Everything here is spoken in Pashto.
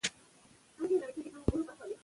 که شمسی ولګوو نو تیاره نه راځي.